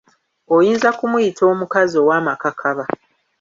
Oyinza kumuyita omukazi ow'amakakaba.